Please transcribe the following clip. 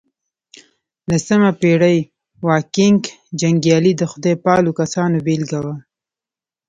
لسمه پېړۍ واکینګ جنګيالي د خدای پالو کسانو بېلګه وه.